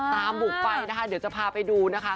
บุกไปนะคะเดี๋ยวจะพาไปดูนะคะ